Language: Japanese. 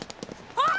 あっ！